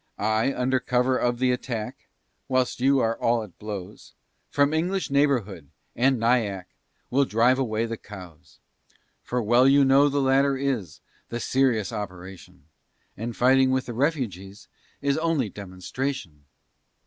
"I, under cover of th' attack, Whilst you are all at blows, From English neighb'rhood and Nyack, Will drive away the cows; "For well you know the latter is The serious operation, And fighting with the refugees Is only demonstration."